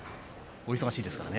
お忙しいですからね。